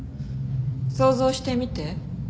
想像してみて。